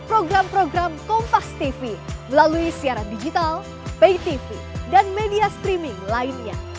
program program kompastv melalui siaran digital paytv dan media streaming lainnya